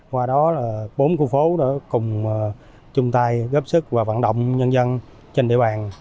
qua đó bốn khu phố đã cùng chung tay góp sức và vận động nhân dân trên địa bàn